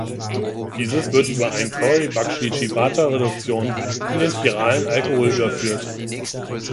Dieses wird über ein Corey-Bakshi-Shibata-Reduktion in den chiralen Alkohol überführt.